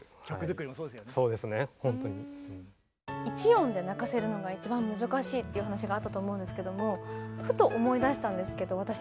１音で泣かせるのが一番難しいっていう話があったと思うんですけどもふと思い出したんですけど私